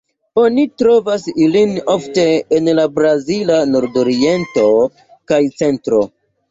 Oni trovas ilin ofte en la brazila nordoriento kaj centro.